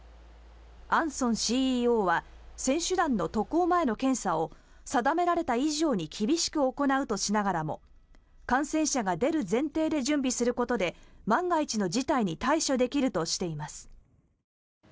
アンソンＣＥＯは選手団の渡航前の検査を定められた以上に厳しく行うとしながらも感染者が出る前提で準備することで万が一の事態に対処できるとしています。